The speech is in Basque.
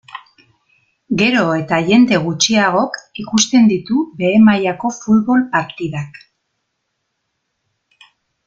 Gero eta jende gutxiagok ikusten ditu behe mailako futbol partidak.